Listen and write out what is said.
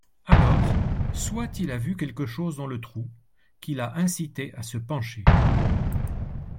Alors soit il a vu quelque chose dans le trou qui l’a incité à se pencher